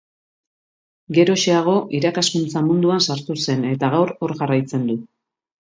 Geroxeago irakaskuntza munduan sartu zen eta gaur hor jarraitzen du.